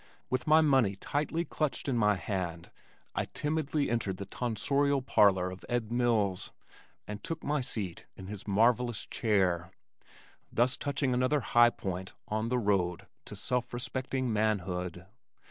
With my money tightly clutched in my hand I timidly entered the Tonsorial Parlor of Ed Mills and took my seat in his marvellous chair thus touching another high point on the road to self respecting manhood.